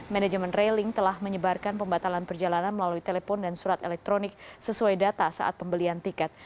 manajemen railing telah menyebarkan pembatalan perjalanan melalui telepon dan surat elektronik sesuai data saat pembelian tiket